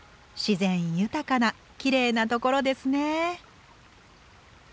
自然豊かなきれいなところですね。